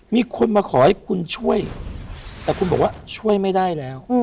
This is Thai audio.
มีคนมาขอให้คุณช่วยแต่คุณบอกว่าช่วยไม่ได้แล้ว